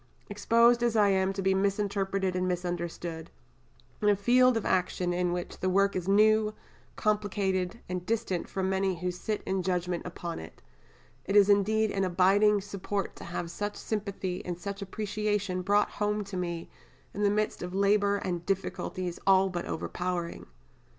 Exposed as I am to be misinterpreted and misunderstood, in a field of action in which the work is new, complicated, and distant from many who sit in judgment upon it, it is indeed an abiding support to have such sympathy and such appreciation brought home to me in the midst of labour and difficulties all but overpowering.